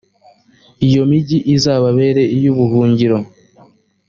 iyo migi izababera iy’ubuhungiro.